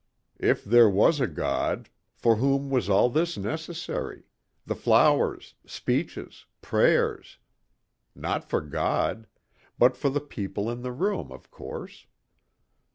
If there was a God, for whom was all this necessary the flowers, speeches, prayers? Not for God. But for the people in the room, of course.